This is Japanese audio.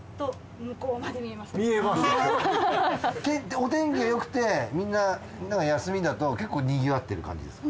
お天気がよくてみんなが休みだと結構にぎわってる感じですか？